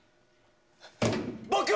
僕は。